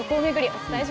お伝えしました。